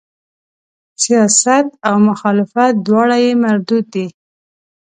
سیاست او مخالفت دواړه یې مردود دي.